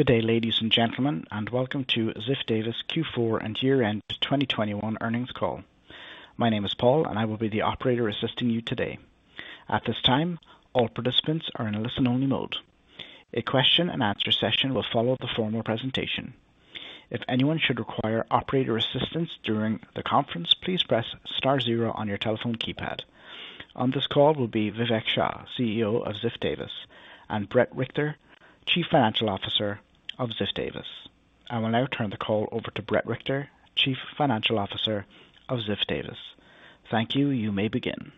Good day, ladies and gentlemen, and welcome to Ziff Davis Q4 and year-end 2021 earnings call. My name is Paul and I will be the operator assisting you today. At this time, all participants are in a listen-only mode. A question-and-answer session will follow the formal presentation. If anyone should require operator assistance during the conference, please press star zero on your telephone keypad. On this call will be Vivek Shah, CEO of Ziff Davis, and Bret Richter, Chief Financial Officer of Ziff Davis. I will now turn the call over to Bret Richter, Chief Financial Officer of Ziff Davis. Thank you. You may begin.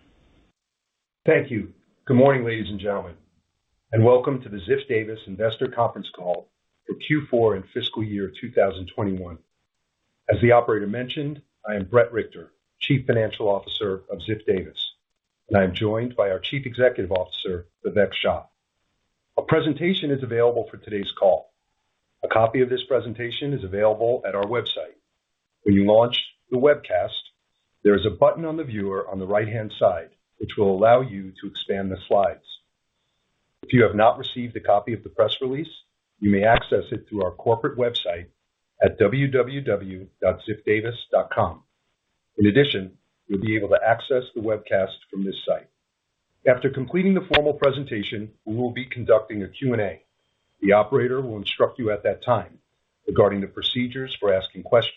Thank you. Good morning, ladies and gentlemen, and welcome to the Ziff Davis investor conference call for Q4 and fiscal year 2021. As the operator mentioned, I am Bret Richter, Chief Financial Officer of Ziff Davis, and I am joined by our Chief Executive Officer, Vivek Shah. A presentation is available for today's call. A copy of this presentation is available at our website. When you launch the webcast, there is a button on the viewer on the right-hand side which will allow you to expand the slides. If you have not received a copy of the press release, you may access it through our corporate website at www.ziffdavis.com. In addition, you'll be able to access the webcast from this site. After completing the formal presentation, we will be conducting a Q&A. The operator will instruct you at that time regarding the procedures for asking questions.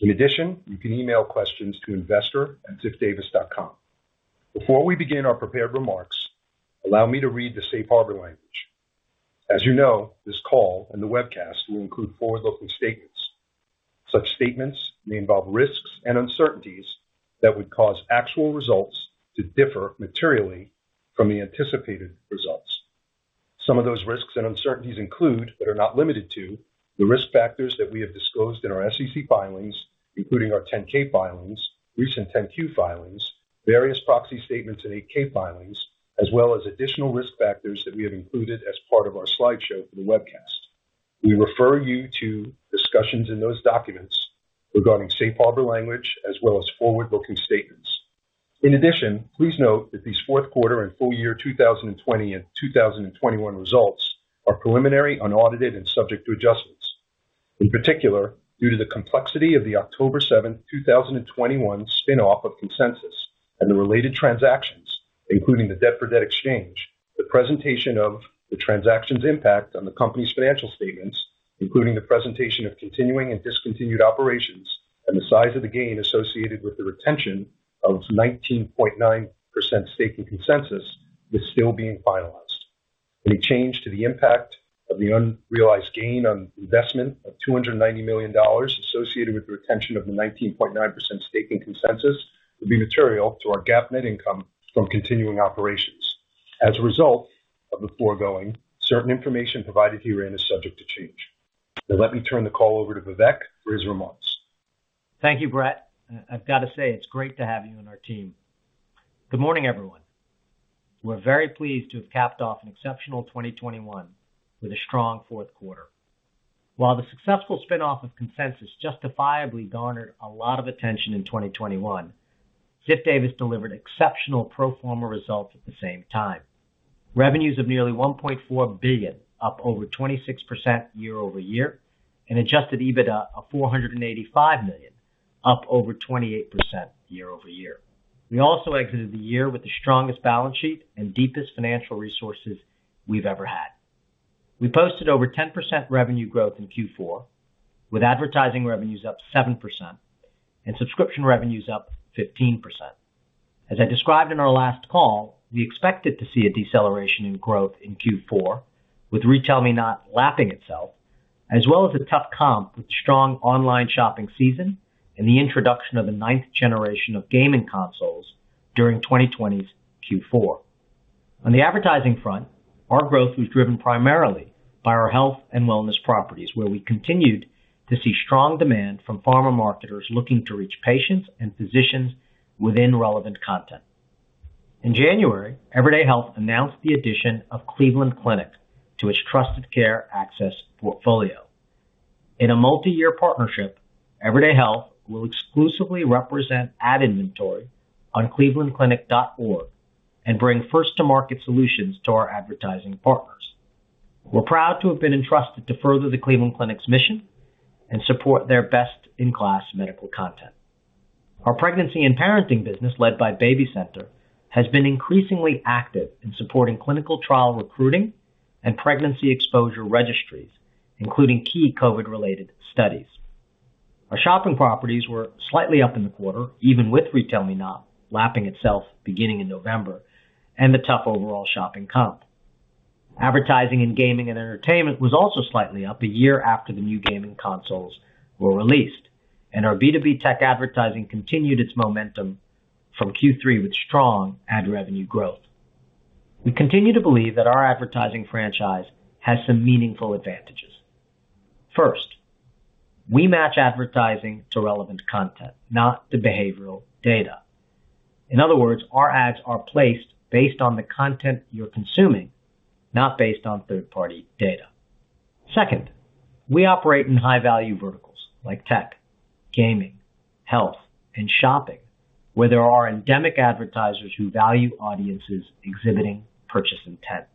In addition, you can email questions to investor@ziffdavis.com. Before we begin our prepared remarks, allow me to read the safe harbor language. As you know, this call and the webcast will include forward-looking statements. Such statements may involve risks and uncertainties that would cause actual results to differ materially from the anticipated results. Some of those risks and uncertainties include, but are not limited to, the risk factors that we have disclosed in our SEC filings, including our 10-K filings, recent 10-Q filings, various proxy statements, and 8-K filings, as well as additional risk factors that we have included as part of our slideshow for the webcast. We refer you to discussions in those documents regarding safe harbor language as well as forward-looking statements. In addition, please note that these fourth quarter and full year 2020 and 2021 results are preliminary, unaudited and subject to adjustments. In particular, due to the complexity of the October 7th, 2021 spin-off of Consensus and the related transactions, including the debt-for-debt exchange, the presentation of the transactions impact on the company's financial statements, including the presentation of continuing and discontinued operations, and the size of the gain associated with the retention of 19.9% stake in Consensus is still being finalized. Any change to the impact of the unrealized gain on investment of $290 million associated with the retention of the 19.9% stake in Consensus would be material to our GAAP net income from continuing operations. As a result of the foregoing, certain information provided herein is subject to change. Now, let me turn the call over to Vivek for his remarks. Thank you, Bret. I've got to say, it's great to have you on our team. Good morning, everyone. We're very pleased to have capped off an exceptional 2021 with a strong fourth quarter. While the successful spin-off of Consensus justifiably garnered a lot of attention in 2021, Ziff Davis delivered exceptional pro forma results at the same time. Revenues of nearly $1.4 billion, up over 26% year-over-year. Adjusted EBITDA of $485 million, up over 28% year-over-year. We also exited the year with the strongest balance sheet and deepest financial resources we've ever had. We posted over 10% revenue growth in Q4, with advertising revenues up 7% and subscription revenues up 15%. As I described in our last call, we expected to see a deceleration in growth in Q4, with RetailMeNot lapping itself, as well as a tough comp with strong online shopping season and the introduction of the ninth generation of gaming consoles during 2020's Q4. On the advertising front, our growth was driven primarily by our health and wellness properties, where we continued to see strong demand from pharma marketers looking to reach patients and physicians within relevant content. In January, Everyday Health announced the addition of Cleveland Clinic to its Trusted Care Access Portfolio. In a multi-year partnership, Everyday Health will exclusively represent ad inventory on clevelandclinic.org and bring first to market solutions to our advertising partners. We're proud to have been entrusted to further the Cleveland Clinic's mission and support their best in class medical content. Our pregnancy and parenting business, led by BabyCenter, has been increasingly active in supporting clinical trial recruiting and pregnancy exposure registries, including key COVID-related studies. Our shopping properties were slightly up in the quarter, even with RetailMeNot lapping itself beginning in November and the tough overall shopping comp. Advertising in gaming and entertainment was also slightly up a year after the new gaming consoles were released, and our B2B tech advertising continued its momentum from Q3 with strong ad revenue growth. We continue to believe that our advertising franchise has some meaningful advantages. First, we match advertising to relevant content, not to behavioral data. In other words, our ads are placed based on the content you're consuming, not based on third-party data. Second, we operate in high value verticals like tech, gaming, health, and shopping, where there are endemic advertisers who value audiences exhibiting purchase intent.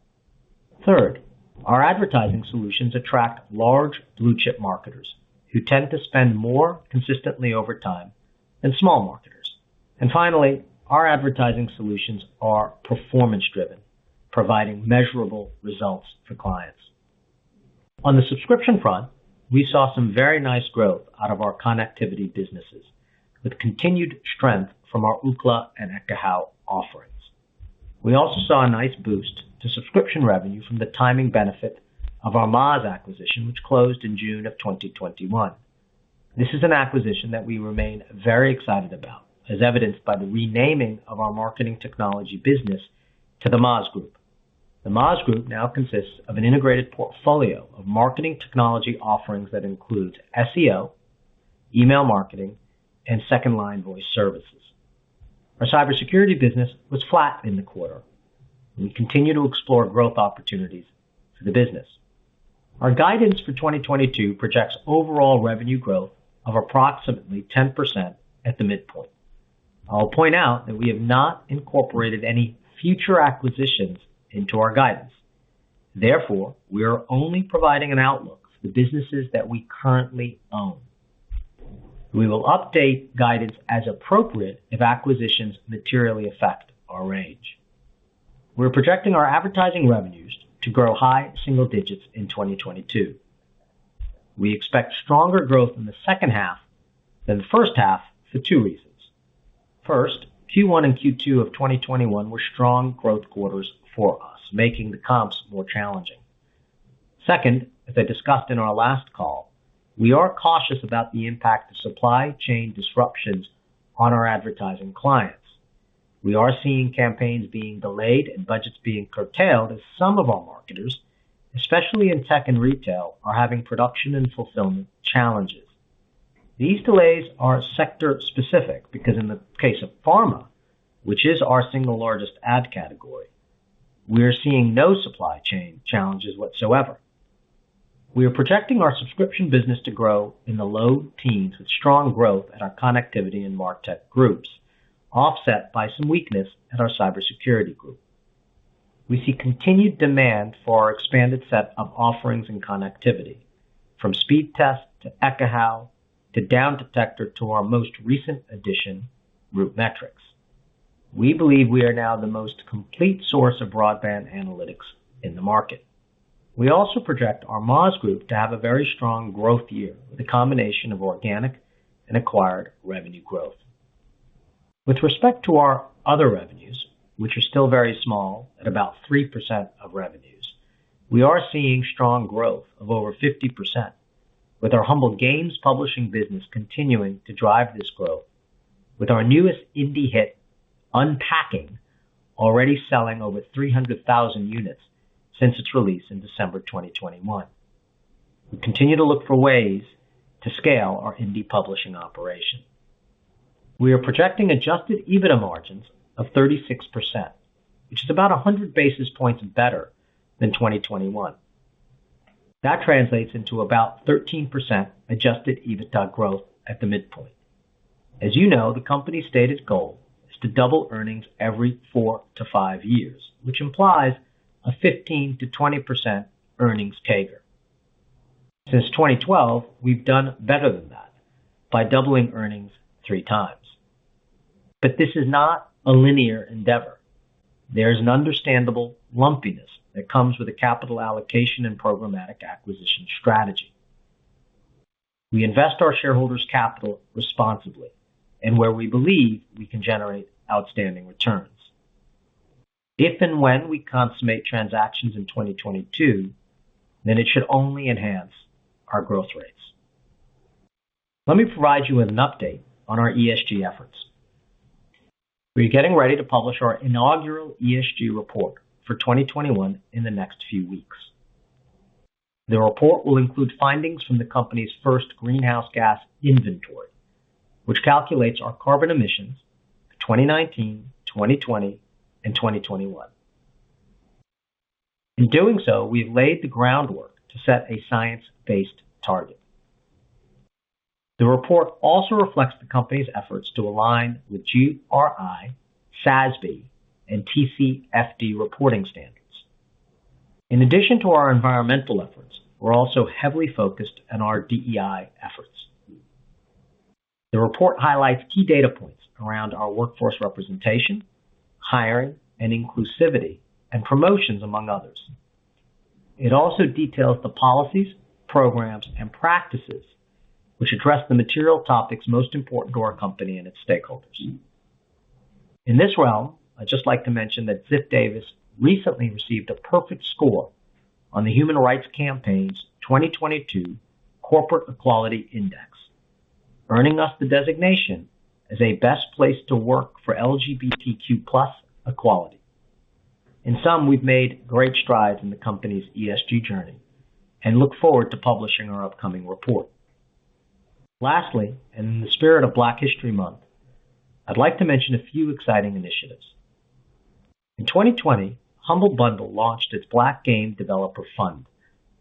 Third, our advertising solutions attract large blue-chip marketers who tend to spend more consistently over time than small marketers. Finally, our advertising solutions are performance-driven, providing measurable results for clients. On the subscription front, we saw some very nice growth out of our connectivity businesses, with continued strength from our Ookla and Ekahau offerings. We also saw a nice boost to subscription revenue from the timing benefit of our Moz acquisition, which closed in June 2021. This is an acquisition that we remain very excited about, as evidenced by the renaming of our marketing technology business to The Moz Group. The Moz Group now consists of an integrated portfolio of marketing technology offerings that includes SEO, email marketing, and second-line voice services. Our cybersecurity business was flat in the quarter, and we continue to explore growth opportunities for the business. Our guidance for 2022 projects overall revenue growth of approximately 10% at the midpoint. I'll point out that we have not incorporated any future acquisitions into our guidance. Therefore, we are only providing an outlook for the businesses that we currently own. We will update guidance as appropriate if acquisitions materially affect our range. We're projecting our advertising revenues to grow high single digits in 2022. We expect stronger growth in the second half than the first half for two reasons. First, Q1 and Q2 of 2021 were strong growth quarters for us, making the comps more challenging. Second, as I discussed in our last call, we are cautious about the impact of supply chain disruptions on our advertising clients. We are seeing campaigns being delayed and budgets being curtailed as some of our marketers, especially in tech and retail, are having production and fulfillment challenges. These delays are sector-specific because in the case of pharma, which is our single largest ad category, we're seeing no supply chain challenges whatsoever. We are protecting our subscription business to grow in the low teens with strong growth at our connectivity and market groups, offset by some weakness at our cybersecurity group. We see continued demand for our expanded set of offerings and connectivity, from Speedtest to Ekahau to Downdetector to our most recent addition, RootMetrics. We believe we are now the most complete source of broadband analytics in the market. We also project our Moz Group to have a very strong growth year with a combination of organic and acquired revenue growth. With respect to our other revenues, which are still very small at about 3% of revenues, we are seeing strong growth of over 50%, with our Humble Games publishing business continuing to drive this growth with our newest indie hit, Unpacking, already selling over 300,000 units since its release in December 2021. We continue to look for ways to scale our indie publishing operation. We are projecting adjusted EBITDA margins of 36%, which is about 100 basis points better than 2021. That translates into about 13% adjusted EBITDA growth at the midpoint. As you know, the company's stated goal is to double earnings every 4-5 years, which implies a 15%-20% earnings CAGR. Since 2012, we've done better than that by doubling earnings 3x. This is not a linear endeavor. There's an understandable lumpiness that comes with a capital allocation and programmatic acquisition strategy. We invest our shareholders' capital responsibly and where we believe we can generate outstanding returns. If and when we consummate transactions in 2022, then it should only enhance our growth rates. Let me provide you with an update on our ESG efforts. We're getting ready to publish our inaugural ESG report for 2021 in the next few weeks. The report will include findings from the company's first greenhouse gas inventory, which calculates our carbon emissions for 2019, 2020, and 2021. In doing so, we've laid the groundwork to set a science-based target. The report also reflects the company's efforts to align with GRI, SASB, and TCFD reporting standards. In addition to our environmental efforts, we're also heavily focused on our DEI efforts. The report highlights key data points around our workforce representation, hiring, and inclusivity, and promotions, among others. It also details the policies, programs, and practices which address the material topics most important to our company and its stakeholders. In this realm, I'd just like to mention that Ziff Davis recently received a perfect score on the Human Rights Campaign's 2022 Corporate Equality Index, earning us the designation as a best place to work for LGBTQ+ equality. In sum, we've made great strides in the company's ESG journey and look forward to publishing our upcoming report. Lastly, and in the spirit of Black History Month, I'd like to mention a few exciting initiatives. In 2020, Humble Bundle launched its Black Game Developer Fund,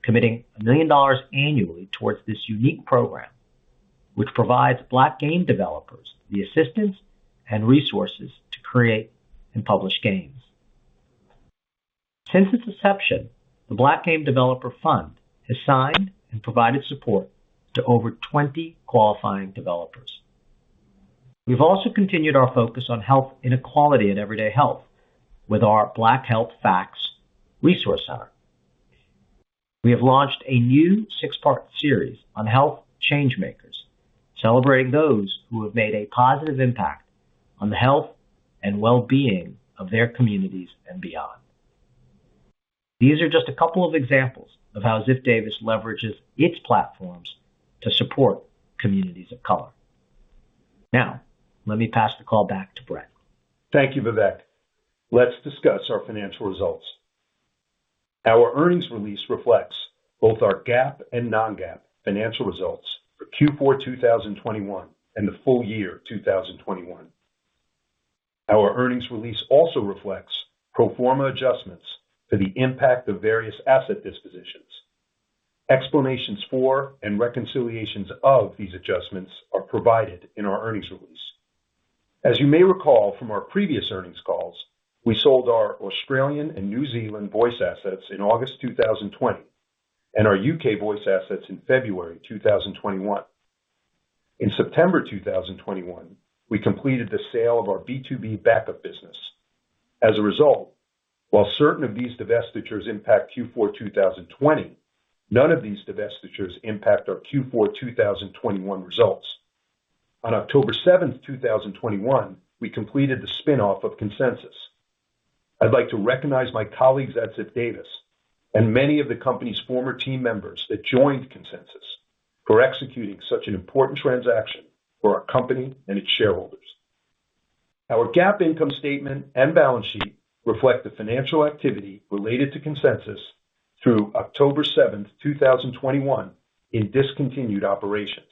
committing $1 million annually towards this unique program, which provides Black game developers the assistance and resources to create and publish games. Since its inception, the Black Game Developer Fund has signed and provided support to over 20 qualifying developers. We've also continued our focus on health inequality at Everyday Health with our Black Health Facts Resource Center. We have launched a new six-part series on Health Changemakers, celebrating those who have made a positive impact on the health and well-being of their communities and beyond. These are just a couple of examples of how Ziff Davis leverages its platforms to support communities of color. Now, let me pass the call back to Bret. Thank you, Vivek. Let's discuss our financial results. Our earnings release reflects both our GAAP and non-GAAP financial results for Q4 2021 and the full year 2021. Our earnings release also reflects pro forma adjustments for the impact of various asset dispositions. Explanations for and reconciliations of these adjustments are provided in our earnings release. As you may recall from our previous earnings calls, we sold our Australian and New Zealand voice assets in August 2020, and our UK voice assets in February 2021. In September 2021, we completed the sale of our B2B backup business. As a result, while certain of these divestitures impact Q4 2020, none of these divestitures impact our Q4 2021 results. On October 7th, 2021, we completed the spin-off of Consensus. I'd like to recognize my colleagues at Ziff Davis and many of the company's former team members that joined Consensus for executing such an important transaction for our company and its shareholders. Our GAAP income statement and balance sheet reflect the financial activity related to Consensus through October 7th, 2021 in discontinued operations.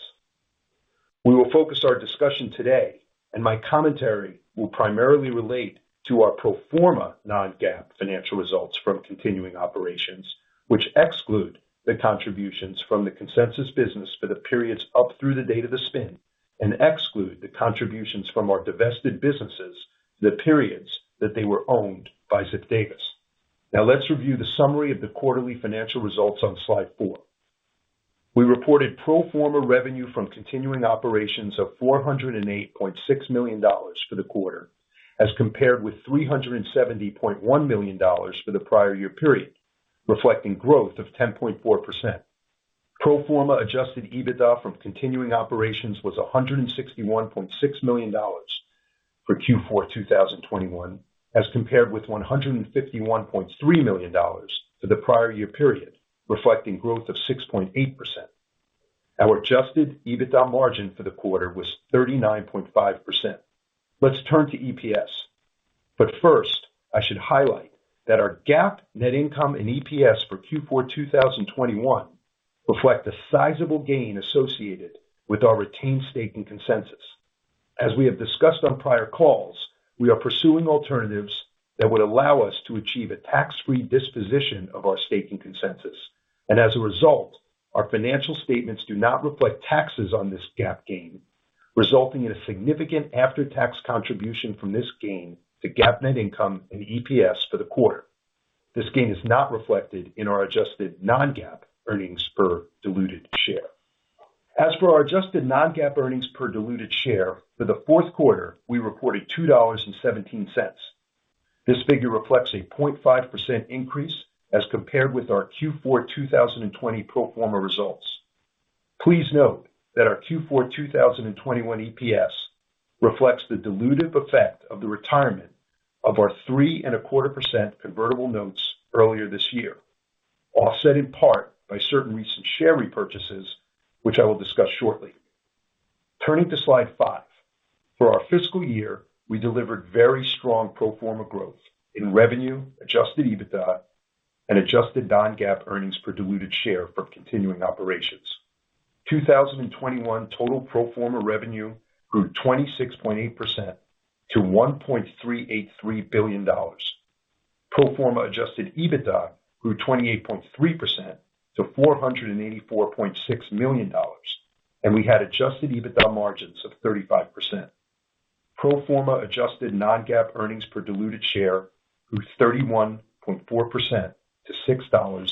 We will focus our discussion today, and my commentary will primarily relate to our pro forma non-GAAP financial results from continuing operations, which exclude the contributions from the Consensus business for the periods up through the date of the spin and exclude the contributions from our divested businesses for the periods that they were owned by Ziff Davis. Now let's review the summary of the quarterly financial results on slide four. We reported pro forma revenue from continuing operations of $408.6 million for the quarter as compared with $370.1 million for the prior year period, reflecting growth of 10.4%. Pro forma adjusted EBITDA from continuing operations was $161.6 million for Q4 2021, as compared with $151.3 million for the prior year period, reflecting growth of 6.8%. Our adjusted EBITDA margin for the quarter was 39.5%. Let's turn to EPS. First, I should highlight that our GAAP net income and EPS for Q4 2021 reflect the sizable gain associated with our retained stake in Consensus. As we have discussed on prior calls, we are pursuing alternatives that would allow us to achieve a tax-free disposition of our stake in Consensus. As a result, our financial statements do not reflect taxes on this GAAP gain, resulting in a significant after-tax contribution from this gain to GAAP net income and EPS for the quarter. This gain is not reflected in our adjusted non-GAAP earnings per diluted share. As for our adjusted non-GAAP earnings per diluted share, for the fourth quarter, we reported $2.17. This figure reflects a 0.5% increase as compared with our Q4 2020 pro forma results. Please note that our Q4 2021 EPS reflects the dilutive effect of the retirement of our 3.25% convertible notes earlier this year, offset in part by certain recent share repurchases, which I will discuss shortly. Turning to slide five. For our fiscal year, we delivered very strong pro forma growth in revenue, adjusted EBITDA, and adjusted non-GAAP earnings per diluted share from continuing operations. 2021 total pro forma revenue grew 26.8% to $1.383 billion. Pro forma adjusted EBITDA grew 28.3% to $484.6 million, and we had adjusted EBITDA margins of 35%. Pro forma adjusted non-GAAP earnings per diluted share grew 31.4% to $6.11.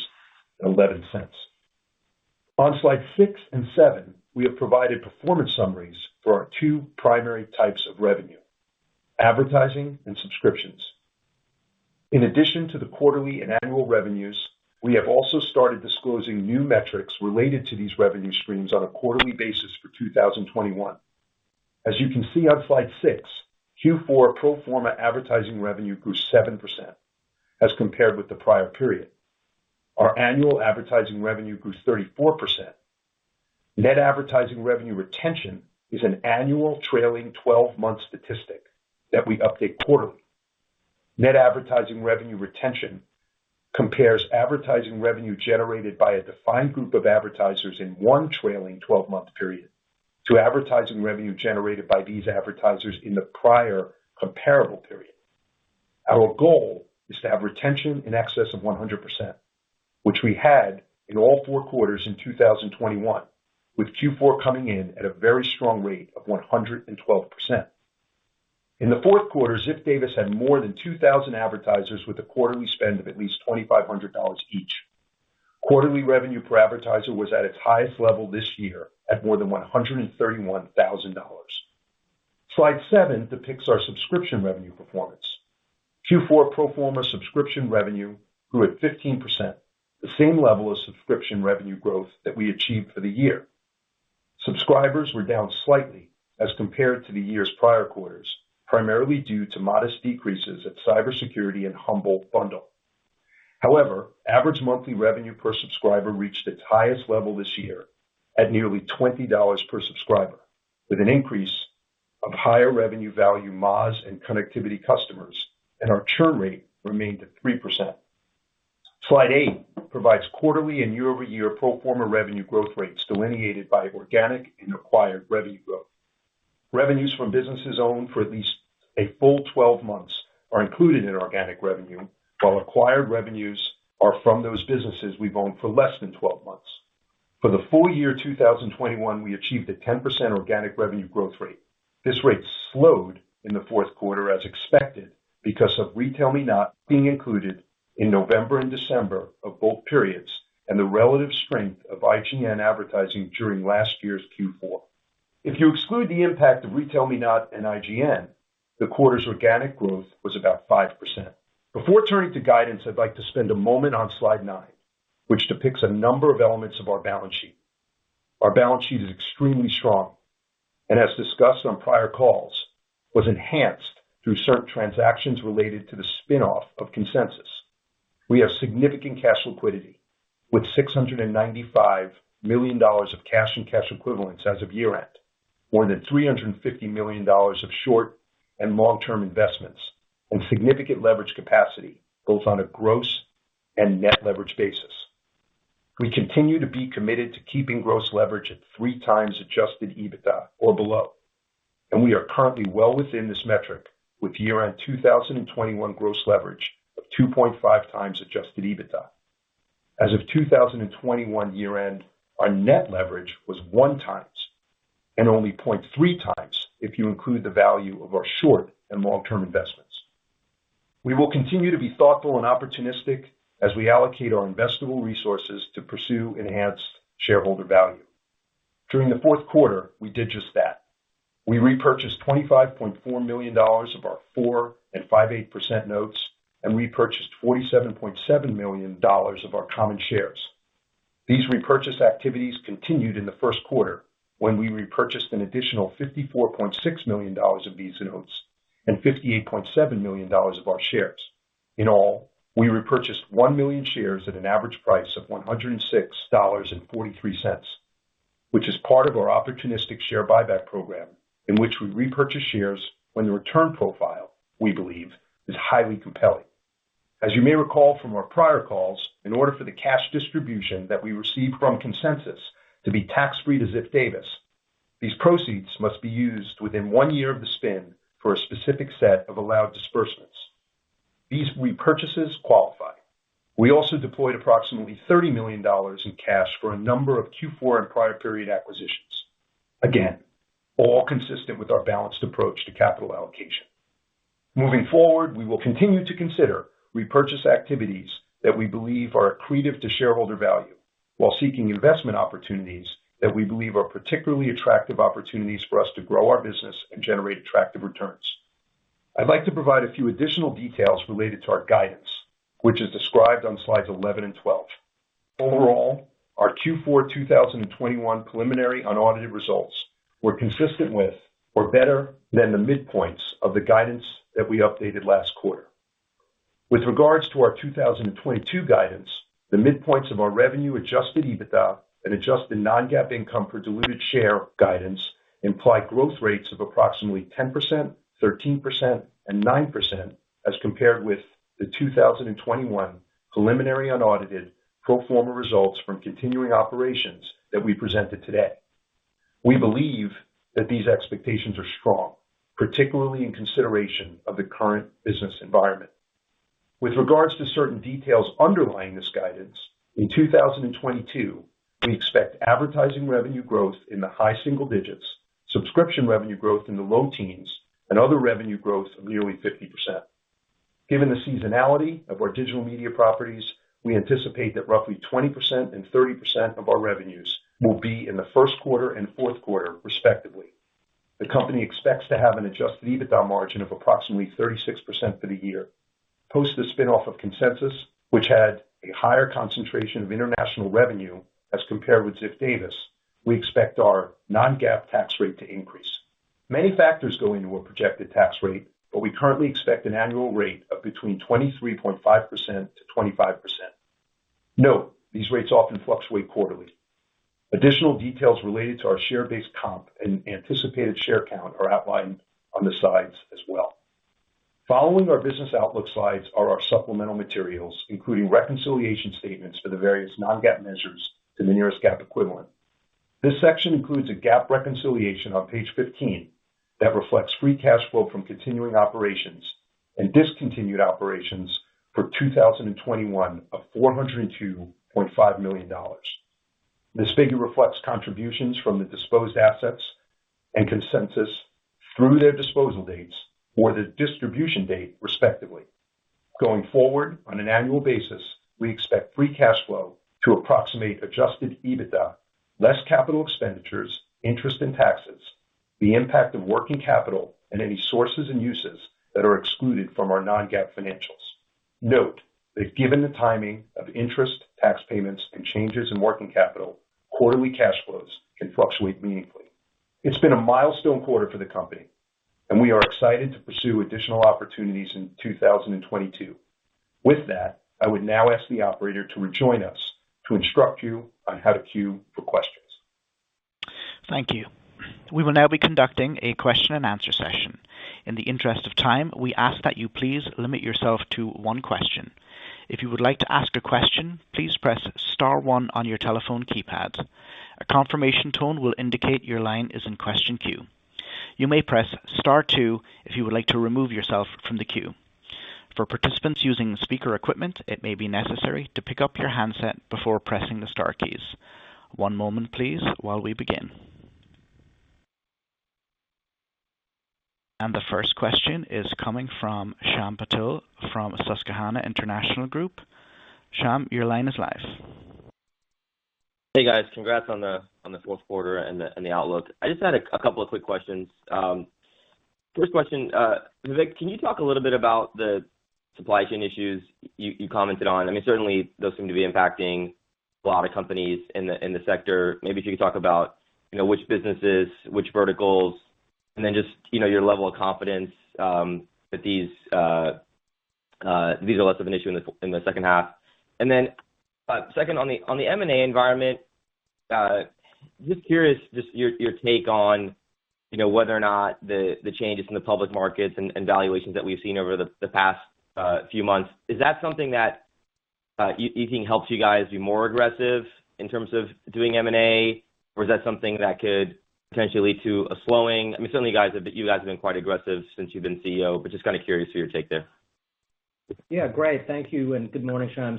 On slide six and seven, we have provided performance summaries for our two primary types of revenue, advertising and subscriptions. In addition to the quarterly and annual revenues, we have also started disclosing new metrics related to these revenue streams on a quarterly basis for 2021. As you can see on slide six, Q4 pro forma advertising revenue grew 7% as compared with the prior period. Our annual advertising revenue grew 34%. Net advertising revenue retention is an annual trailing 12-month statistic that we update quarterly. Net advertising revenue retention compares advertising revenue generated by a defined group of advertisers in one trailing 12-month period to advertising revenue generated by these advertisers in the prior comparable period. Our goal is to have retention in excess of 100%, which we had in all four quarters in 2021, with Q4 coming in at a very strong rate of 112%. In the fourth quarter, Ziff Davis had more than 2,000 advertisers with a quarterly spend of at least $2,500 each. Quarterly revenue per advertiser was at its highest level this year at more than $131,000. Slide seven depicts our subscription revenue performance. Q4 pro forma subscription revenue grew at 15%, the same level of subscription revenue growth that we achieved for the year. Subscribers were down slightly as compared to the year's prior quarters, primarily due to modest decreases at Cybersecurity and Humble Bundle. However, average monthly revenue per subscriber reached its highest level this year at nearly $20 per subscriber, with an increase of higher revenue value MaaS and connectivity customers, and our churn rate remained at 3%. Slide eight provides quarterly and year-over-year pro forma revenue growth rates delineated by organic and acquired revenue growth. Revenues from businesses owned for at least a full 12 months are included in organic revenue, while acquired revenues are from those businesses we've owned for less than 12 months. For the full year 2021, we achieved a 10% organic revenue growth rate. This rate slowed in the fourth quarter as expected because of RetailMeNot being included in November and December of both periods and the relative strength of IGN advertising during last year's Q4. If you exclude the impact of RetailMeNot and IGN, the quarter's organic growth was about 5%. Before turning to guidance, I'd like to spend a moment on slide nine, which depicts a number of elements of our balance sheet. Our balance sheet is extremely strong and as discussed on prior calls, was enhanced through certain transactions related to the spin-off of Consensus. We have significant cash liquidity with $695 million of cash and cash equivalents as of year-end, more than $350 million of short and long-term investments and significant leverage capacity, both on a gross and net leverage basis. We continue to be committed to keeping gross leverage at 3x adjusted EBITDA or below, and we are currently well within this metric with year-end 2021 gross leverage of 2.5x adjusted EBITDA. As of 2021 year-end, our net leverage was 1x and only 0.3x if you include the value of our short and long-term investments. We will continue to be thoughtful and opportunistic as we allocate our investable resources to pursue enhanced shareholder value. During the fourth quarter, we did just that. We repurchased $25.4 million of our 4.625% notes, and repurchased $47.7 million of our common shares. These repurchase activities continued in the first quarter when we repurchased an additional $54.6 million of these notes and $58.7 million of our shares. In all, we repurchased 1 million shares at an average price of $106.43, which is part of our opportunistic share buyback program in which we repurchase shares when the return profile, we believe, is highly compelling. As you may recall from our prior calls, in order for the cash distribution that we received from Consensus to be tax-free to Ziff Davis, these proceeds must be used within one year of the spin for a specific set of allowed disbursements. These repurchases qualify. We also deployed approximately $30 million in cash for a number of Q4 and prior period acquisitions. Again, all consistent with our balanced approach to capital allocation. Moving forward, we will continue to consider repurchase activities that we believe are accretive to shareholder value while seeking investment opportunities that we believe are particularly attractive opportunities for us to grow our business and generate attractive returns. I'd like to provide a few additional details related to our guidance, which is described on slides 11 and 12. Overall, our Q4 2021 preliminary unaudited results were consistent with or better than the midpoints of the guidance that we updated last quarter. With regards to our 2022 guidance, the midpoints of our revenue adjusted EBITDA and adjusted non-GAAP income per diluted share guidance imply growth rates of approximately 10%, 13%, and 9% as compared with the 2021 preliminary unaudited pro forma results from continuing operations that we presented today. We believe that these expectations are strong, particularly in consideration of the current business environment. With regards to certain details underlying this guidance, in 2022, we expect advertising revenue growth in the high single digits, subscription revenue growth in the low teens, and other revenue growth of nearly 50%. Given the seasonality of our digital media properties, we anticipate that roughly 20% and 30% of our revenues will be in the first quarter and fourth quarter, respectively. The company expects to have an adjusted EBITDA margin of approximately 36% for the year. Post the spin-off of Consensus, which had a higher concentration of international revenue as compared with Ziff Davis, we expect our non-GAAP tax rate to increase. Many factors go into a projected tax rate, but we currently expect an annual rate of between 23.5%-25%. Note, these rates often fluctuate quarterly. Additional details related to our share-based comp and anticipated share count are outlined on the sides as well. Following our business outlook slides are our supplemental materials, including reconciliation statements for the various non-GAAP measures to the nearest GAAP equivalent. This section includes a GAAP reconciliation on page 15 that reflects free cash flow from continuing operations and discontinued operations for 2021 of $402.5 million. This figure reflects contributions from the disposed assets and Consensus through their disposal dates or the distribution date, respectively. Going forward, on an annual basis, we expect free cash flow to approximate adjusted EBITDA, less capital expenditures, interest and taxes, the impact of working capital and any sources and uses that are excluded from our non-GAAP financials. Note that given the timing of interest, tax payments, and changes in working capital, quarterly cash flows can fluctuate meaningfully. It's been a milestone quarter for the company, and we are excited to pursue additional opportunities in 2022. With that, I would now ask the operator to rejoin us to instruct you on how to queue for questions. Thank you. We will now be conducting a question-and-answer session. In the interest of time, we ask that you please limit yourself to one question. If you would like to ask a question, please press star one on your telephone keypad. A confirmation tone will indicate your line is in question queue. You may press star two if you would like to remove yourself from the queue. For participants using speaker equipment, it may be necessary to pick up your handset before pressing the star keys. One moment please while we begin. The first question is coming from Shyam Patil from Susquehanna International Group. Shyam, your line is live. Hey, guys. Congrats on the fourth quarter and the outlook. I just had a couple of quick questions. First question. Vivek, can you talk a little bit about the supply chain issues you commented on? I mean, certainly those seem to be impacting a lot of companies in the sector. Maybe if you could talk about, you know, which businesses, which verticals, and then just, you know, your level of confidence that these are less of an issue in the second half. Then, second, on the M&A environment, just curious, just your take on, you know, whether or not the changes in the public markets and valuations that we've seen over the past few months, is that something that you think helps you guys be more aggressive in terms of doing M&A? Or is that something that could potentially lead to a slowing? I mean, certainly you guys have been quite aggressive since you've been CEO, but just kind of curious for your take there. Yeah, great. Thank you, and good morning, Shyam.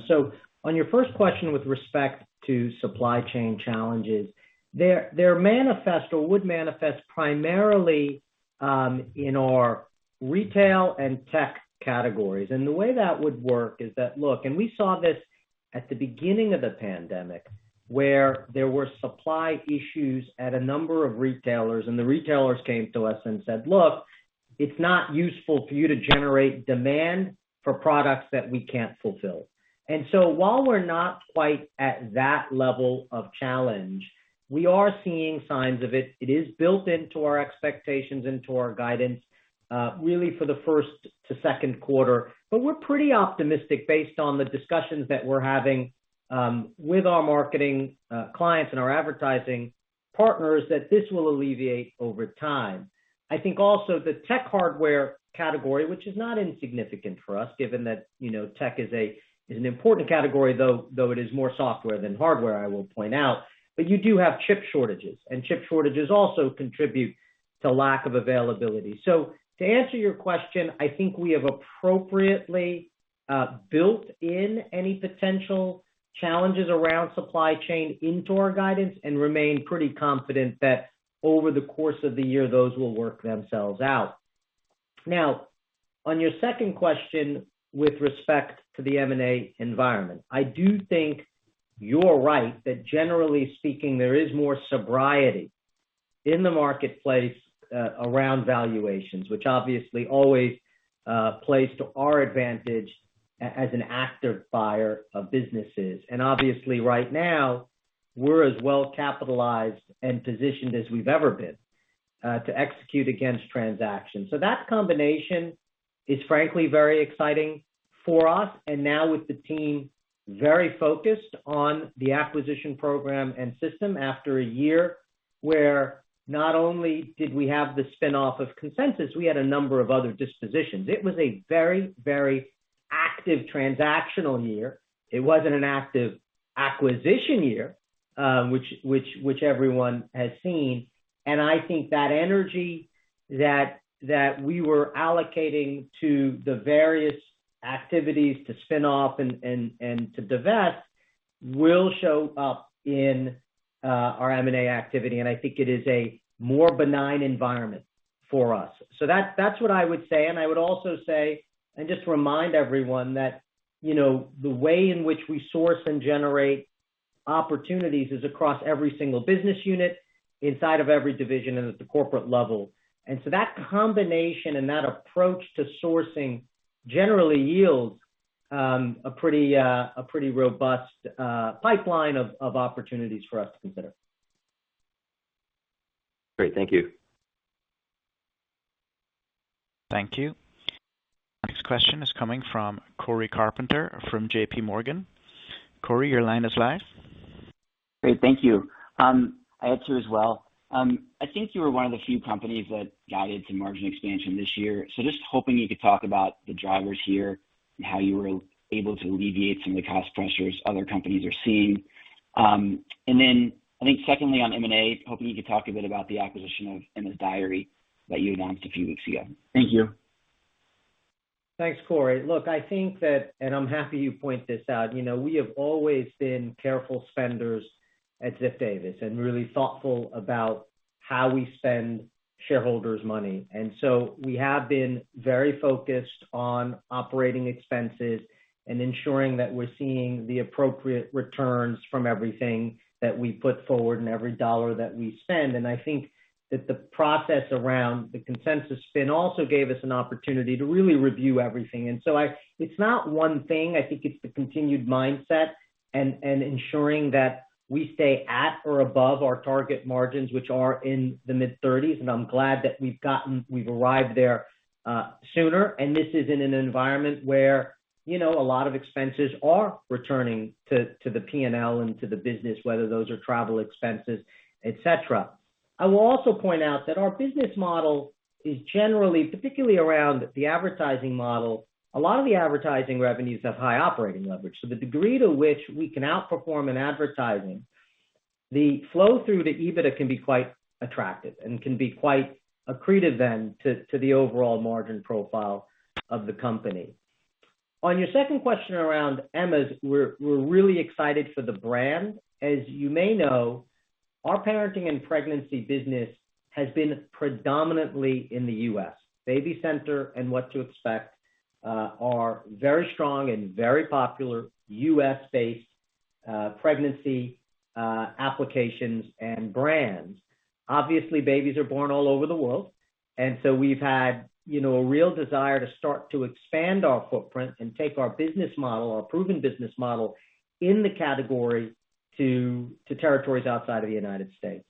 On your first question with respect to supply chain challenges, they're manifest or would manifest primarily in our retail and tech categories. The way that would work is that, look, we saw this at the beginning of the pandemic, where there were supply issues at a number of retailers, and the retailers came to us and said, "Look, it's not useful for you to generate demand for products that we can't fulfill." While we're not quite at that level of challenge, we are seeing signs of it. It is built into our expectations, into our guidance, really for the first to second quarter. We're pretty optimistic based on the discussions that we're having with our marketing clients and our advertising partners that this will alleviate over time. I think also the tech hardware category, which is not insignificant for us, given that, you know, tech is an important category, though it is more software than hardware, I will point out. You do have chip shortages, and chip shortages also contribute to lack of availability. To answer your question, I think we have appropriately built in any potential challenges around supply chain into our guidance and remain pretty confident that over the course of the year, those will work themselves out. Now, on your second question with respect to the M&A environment, I do think you're right that generally speaking, there is more sobriety in the marketplace around valuations, which obviously always plays to our advantage as an active buyer of businesses. Obviously right now, we're as well capitalized and positioned as we've ever been to execute against transactions. That combination is frankly very exciting for us. Now with the team very focused on the acquisition program and systematically after a year where not only did we have the spin-off of Consensus, we had a number of other dispositions. It was a very active transactional year. It wasn't an active acquisition year, which everyone has seen. I think that energy that we were allocating to the various activities to spin off and to divest will show up in our M&A activity, and I think it is a more benign environment for us. That's what I would say, and I would also say, and just remind everyone that, you know, the way in which we source and generate opportunities is across every single business unit inside of every division and at the corporate level. That combination and that approach to sourcing generally yields a pretty robust pipeline of opportunities for us to consider. Great. Thank you. Thank you. Next question is coming from Cory Carpenter from J.P. Morgan. Corey, your line is live. Great. Thank you. I had two as well. I think you were one of the few companies that guided some margin expansion this year. Just hoping you could talk about the drivers here and how you were able to alleviate some of the cost pressures other companies are seeing. I think secondly, on M&A, hoping you could talk a bit about the acquisition of Emma's Diary that you announced a few weeks ago. Thank you. Thanks, Corey. Look, I think that, and I'm happy you point this out, you know, we have always been careful spenders at Ziff Davis and really thoughtful about how we spend shareholders' money. We have been very focused on operating expenses and ensuring that we're seeing the appropriate returns from everything that we put forward and every dollar that we spend. I think that the process around the Consensus spin also gave us an opportunity to really review everything. It's not one thing. I think it's the continued mindset and ensuring that we stay at or above our target margins, which are in the mid-30%, and I'm glad that we've arrived there sooner. This is in an environment where, you know, a lot of expenses are returning to the P&L and to the business, whether those are travel expenses, et cetera. I will also point out that our business model is generally, particularly around the advertising model, a lot of the advertising revenues have high operating leverage. The degree to which we can outperform in advertising, the flow through to EBITDA can be quite attractive and can be quite accretive to the overall margin profile of the company. On your second question around Emma's, we're really excited for the brand. As you may know, our parenting and pregnancy business has been predominantly in the U.S. BabyCenter and What to Expect are very strong and very popular U.S.-based pregnancy applications and brands. Obviously, babies are born all over the world, and so we've had, you know, a real desire to start to expand our footprint and take our business model, our proven business model in the category to territories outside of the United States.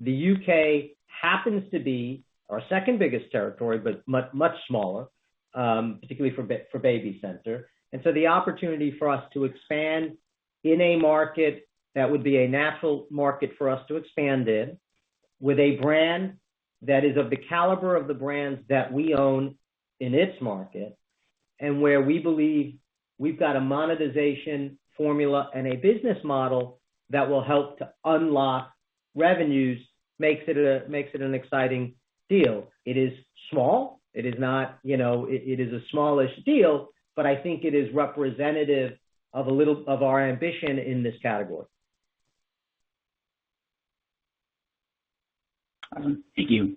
The U.K. happens to be our second biggest territory, but much smaller, particularly for BabyCenter. The opportunity for us to expand in a market that would be a natural market for us to expand in, with a brand that is of the caliber of the brands that we own in its market, and where we believe we've got a monetization formula and a business model that will help to unlock revenues, makes it an exciting deal. It is small. It is not. It is a smallish deal, but I think it is representative of a little of our ambition in this category. Awesome. Thank you.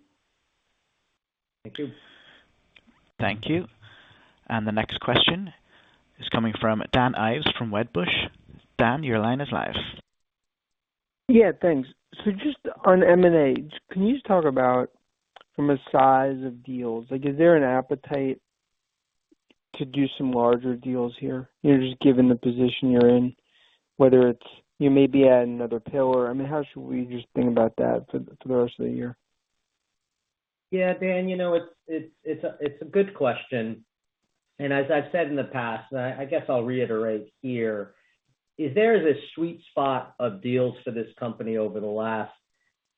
Thank you. Thank you. The next question is coming from Dan Ives from Wedbush. Dan, your line is live. Yeah, thanks. Just on M&A, can you just talk about from a size of deals? Like, is there an appetite to do some larger deals here? You know, just given the position you're in, whether it's you maybe add another pillar. I mean, how should we just think about that for the rest of the year? Yeah, Dan, you know, it's a good question. As I've said in the past, and I guess I'll reiterate here, there is a sweet spot of deals for this company over the last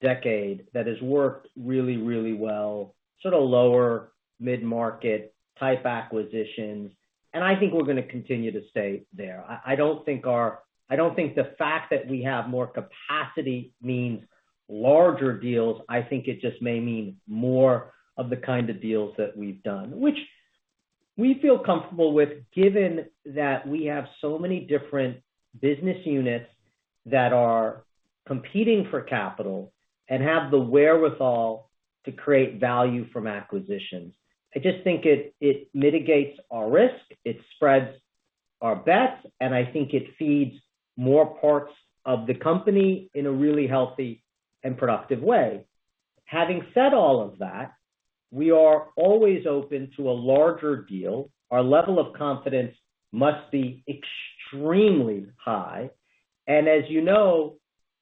decade that has worked really, really well, sort of lower mid-market type acquisitions, and I think we're gonna continue to stay there. I don't think the fact that we have more capacity means larger deals. I think it just may mean more of the kind of deals that we've done, which we feel comfortable with given that we have so many different business units that are competing for capital and have the wherewithal to create value from acquisitions. I just think it mitigates our risk, it spreads our bets, and I think it feeds more parts of the company in a really healthy and productive way. Having said all of that, we are always open to a larger deal. Our level of confidence must be extremely high. As you know,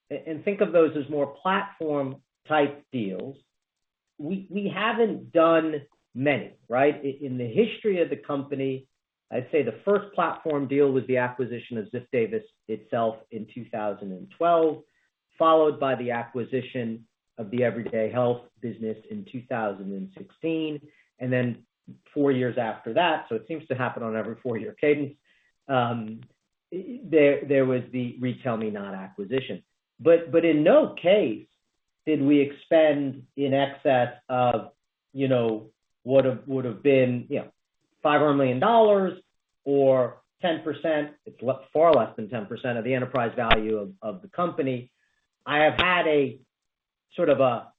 and think of those as more platform-type deals. We haven't done many, right? In the history of the company, I'd say the first platform deal was the acquisition of Ziff Davis itself in 2012, followed by the acquisition of the Everyday Health business in 2016. Then four years after that, so it seems to happen on every four-year cadence, there was the RetailMeNot acquisition. In no case did we expend in excess of, you know, would've been, you know, $500 million or 10%. It's far less than 10% of the enterprise value of the company. I have had a sort of a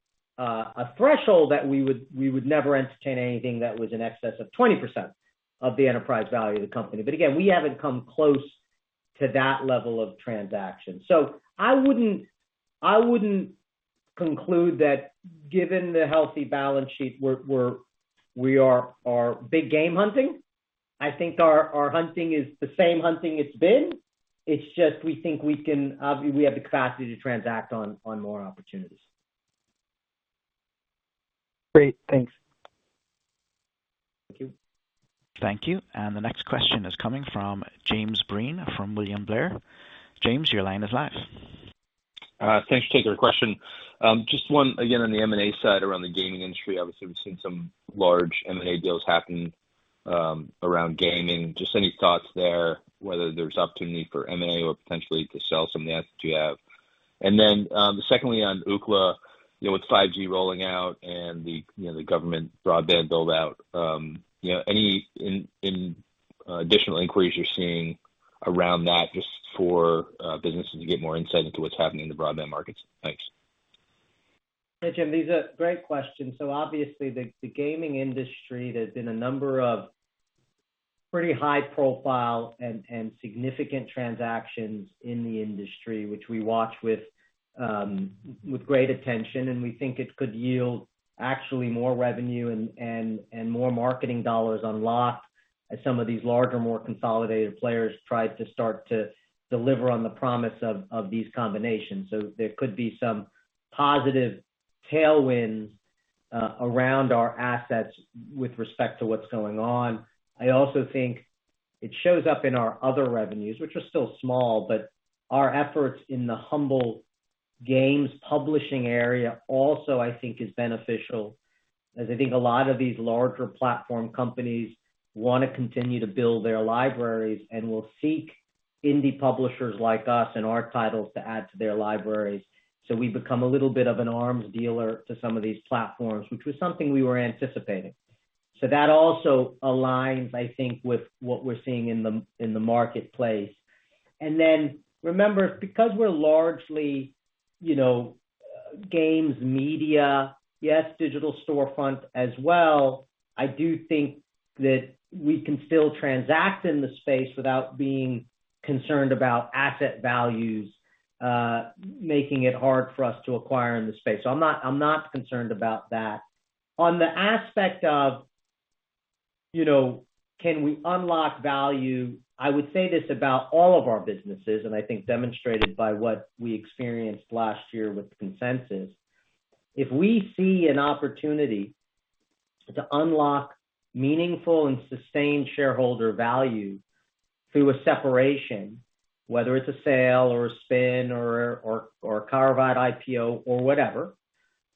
threshold that we would never entertain anything that was in excess of 20% of the enterprise value of the company. Again, we haven't come close to that level of transaction. I wouldn't conclude that given the healthy balance sheet, we're big game hunting. I think our hunting is the same hunting it's been. It's just we think we have the capacity to transact on more opportunities. Great. Thanks. Thank you. Thank you. The next question is coming from James Breen from William Blair. James, your line is live. Thanks. Take your question. Just one again on the M&A side around the gaming industry. Obviously, we've seen some large M&A deals happen around gaming. Just any thoughts there, whether there's opportunity for M&A or potentially to sell some assets you have. And then, secondly on Ookla, you know, with 5G rolling out and, you know, the government broadband build out, you know, any additional inquiries you're seeing around that just for businesses to get more insight into what's happening in the broadband markets? Thanks. Hey, Jim. These are great questions. Obviously the gaming industry, there's been a number of pretty high profile and significant transactions in the industry, which we watch with great attention, and we think it could yield actually more revenue and more marketing dollars unlocked as some of these larger, more consolidated players try to start to deliver on the promise of these combinations. There could be some positive tailwinds around our assets with respect to what's going on. I also think it shows up in our other revenues, which are still small, but our efforts in the Humble Games publishing area also I think is beneficial, as I think a lot of these larger platform companies wanna continue to build their libraries and will seek indie publishers like us and our titles to add to their libraries. We've become a little bit of an arms dealer to some of these platforms, which was something we were anticipating. That also aligns, I think, with what we're seeing in the marketplace. Then remember, because we're largely, you know, games media, yes, digital storefront as well, I do think that we can still transact in the space without being concerned about asset values making it hard for us to acquire in the space. I'm not concerned about that. On the aspect of, you know, can we unlock value, I would say this about all of our businesses, and I think demonstrated by what we experienced last year with the Consensus. If we see an opportunity to unlock meaningful and sustained shareholder value through a separation, whether it's a sale or a spin or a carve out IPO or whatever,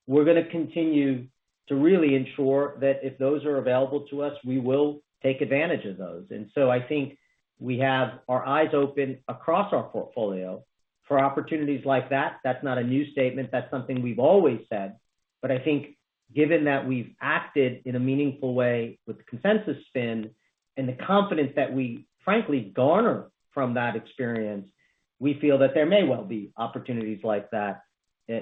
we're gonna continue to really ensure that if those are available to us, we will take advantage of those. I think we have our eyes open across our portfolio for opportunities like that. That's not a new statement. That's something we've always said. I think given that we've acted in a meaningful way with the Consensus spin and the confidence that we frankly garner from that experience, we feel that there may well be opportunities like that,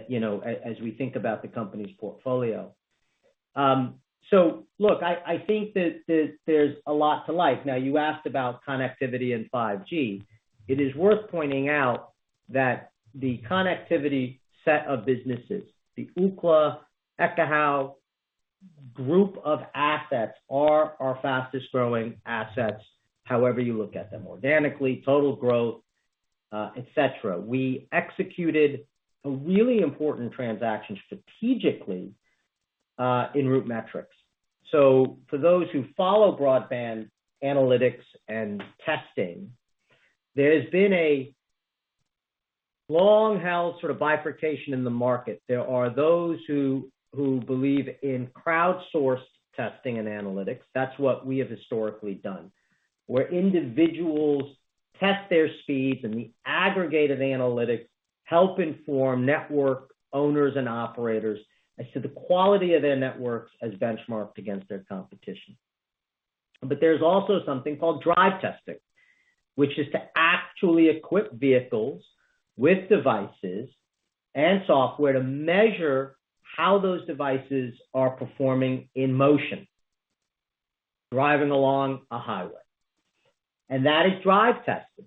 you know, as we think about the company's portfolio. So look, I think that there's a lot to like. Now, you asked about connectivity and 5G. It is worth pointing out that the connectivity set of businesses, the Ookla, Ekahau group of assets are our fastest growing assets however you look at them, organically, total growth, et cetera. We executed a really important transaction strategically in RootMetrics. For those who follow broadband analytics and testing, there's been a long held sort of bifurcation in the market. There are those who believe in crowdsourced testing and analytics. That's what we have historically done, where individuals test their speeds, and the aggregated analytics help inform network owners and operators as to the quality of their networks as benchmarked against their competition. But there's also something called drive testing, which is to actually equip vehicles with devices and software to measure how those devices are performing in motion, driving along a highway. That is drive testing.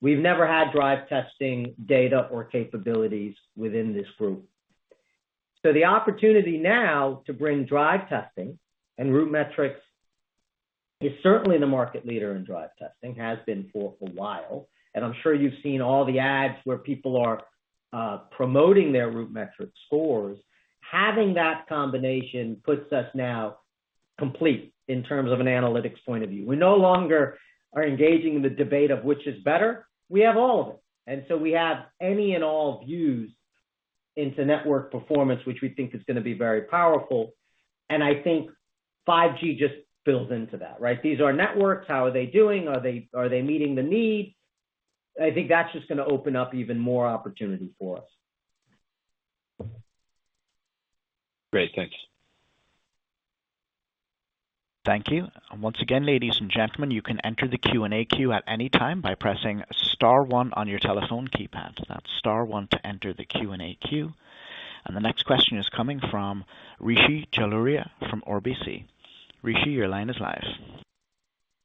We've never had drive testing data or capabilities within this group. The opportunity now to bring drive testing and RootMetrics is certainly the market leader in drive testing, has been for a while, and I'm sure you've seen all the ads where people are promoting their RootMetrics scores. Having that combination puts us now complete in terms of an analytics point of view. We no longer are engaging in the debate of which is better. We have all of it. We have any and all views into network performance, which we think is gonna be very powerful. I think 5G just builds into that, right? These are networks. How are they doing? Are they meeting the need? I think that's just gonna open up even more opportunity for us. Great. Thank you. Thank you. Once again, ladies and gentlemen, you can enter the Q&A queue at any time by pressing star one on your telephone keypad. That's star one to enter the Q&A queue. The next question is coming from Rishi Jaluria from RBC. Rishi, your line is live.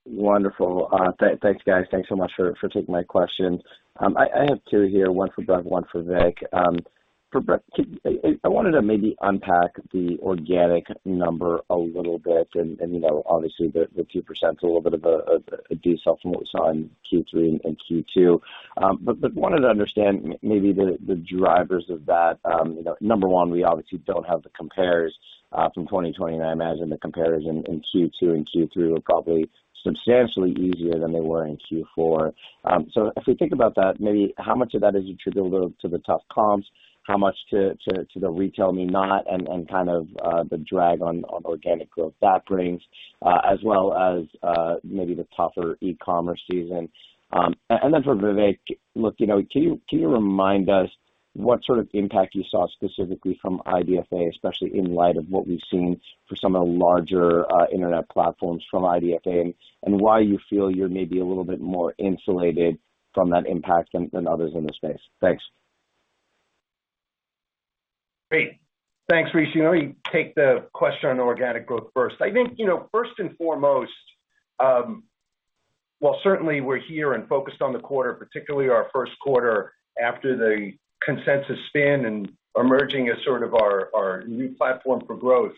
Wonderful. Thanks, guys. Thanks so much for taking my question. I have two here, one for Bret, one for Vivek. For Bret, I wanted to maybe unpack the organic number a little bit and, you know, obviously the few percent's a little bit of a slowdown from what was on Q3 and Q2. Wanted to understand maybe the drivers of that. You know, number one, we obviously don't have the compares from 2020, and I imagine the compares in Q2 and Q3 are probably substantially easier than they were in Q4. If we think about that, maybe how much of that is attributable to the tough comps, how much to the RetailMeNot and kind of the drag on organic growth that brings, as well as maybe the tougher e-commerce season. For Vivek, look, you know, can you remind us what sort of impact you saw specifically from IDFA, especially in light of what we've seen for some of the larger internet platforms from IDFA, and why you feel you're maybe a little bit more insulated from that impact than others in the space? Thanks. Great. Thanks, Rishi. Let me take the question on organic growth first. I think, you know, first and foremost, while certainly we're here and focused on the quarter, particularly our first quarter after the Consensus spin and emerging as sort of our new platform for growth,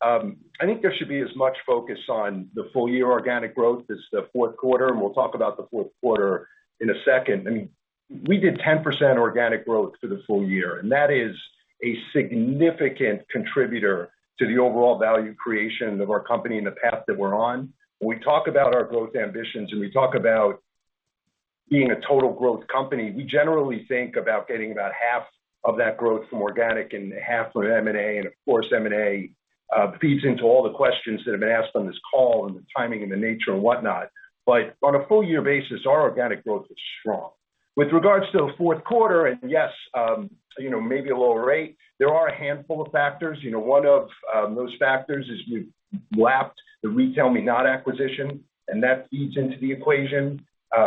I think there should be as much focus on the full year organic growth as the fourth quarter, and we'll talk about the fourth quarter in a second. I mean, we did 10% organic growth for the full year, and that is a significant contributor to the overall value creation of our company and the path that we're on. When we talk about our growth ambitions, and we talk about being a total growth company, we generally think about getting about half of that growth from organic and half from M&A. Of course, M&A feeds into all the questions that have been asked on this call and the timing and the nature and whatnot. On a full year basis, our organic growth is strong. With regards to the fourth quarter, and yes, you know, maybe a lower rate, there are a handful of factors. You know, one of those factors is we lapped the RetailMeNot acquisition, and that feeds into the equation.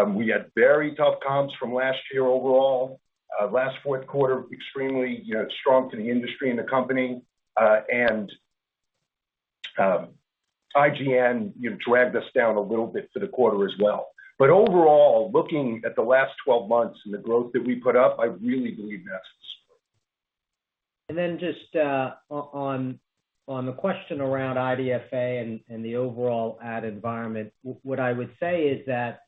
We had very tough comps from last year overall. Last fourth quarter extremely, you know, strong for the industry and the company. And IGN, you know, dragged us down a little bit for the quarter as well. Overall, looking at the last 12 months and the growth that we put up, I really believe that's the story. Just on the question around IDFA and the overall ad environment, what I would say is that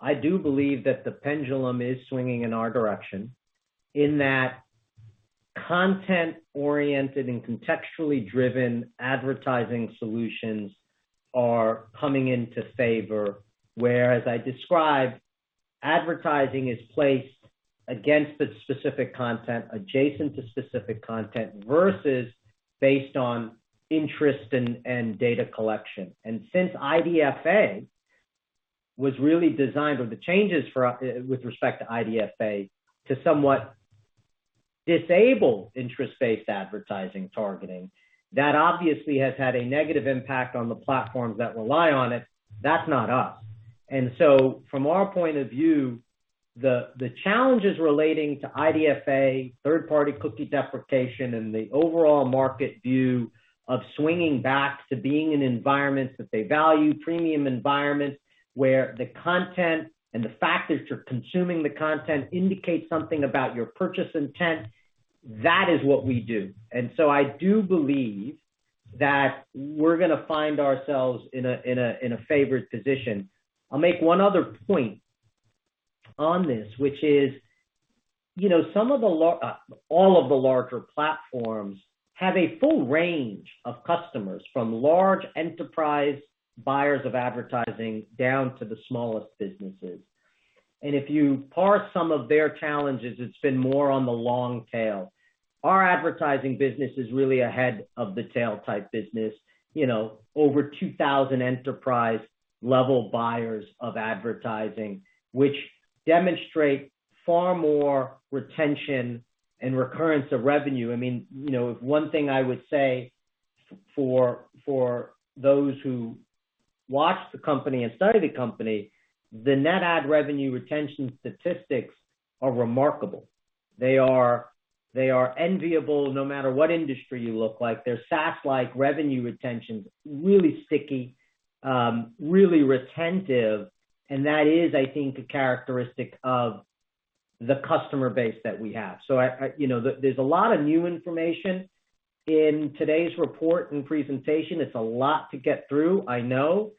I do believe that the pendulum is swinging in our direction in that content-oriented and contextually driven advertising solutions are coming into favor, where, as I described, advertising is placed against the specific content, adjacent to specific content versus based on interest and data collection. Since IDFA was really designed with the changes with respect to IDFA to somewhat disable interest-based advertising targeting, that obviously has had a negative impact on the platforms that rely on it. That's not us. From our point of view, the challenges relating to IDFA, third-party cookie deprecation, and the overall market view of swinging back to being in environments that they value, premium environments where the content and the fact that you're consuming the content indicates something about your purchase intent, that is what we do. I do believe that we're gonna find ourselves in a favored position. I'll make one other point on this, which is, you know, all of the larger platforms have a full range of customers, from large enterprise buyers of advertising down to the smallest businesses. If you parse some of their challenges, it's been more on the long tail. Our advertising business is really a head of the tail type business, you know, over 2,000 enterprise level buyers of advertising, which demonstrate far more retention and recurrence of revenue. I mean, you know, if one thing I would say for those who watch the company and study the company, the net ad revenue retention statistics are remarkable. They are enviable no matter what industry you look at. They're SaaS-like revenue retention, really sticky, really retentive, and that is, I think, a characteristic of the customer base that we have. You know, there's a lot of new information in today's report and presentation. It's a lot to get through, I know.